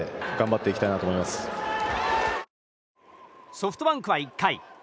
ソフトバンクは１回。